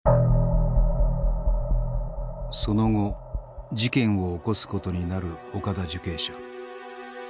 その後事件を起こすことになる岡田受刑者。